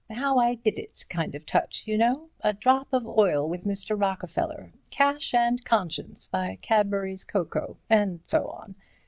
'How I did it' kind of touch, y'know—'A Drop of Oil with Mr. Rockefeller'—'Cash and Conscience' by Cadbury's Cocoa and so on.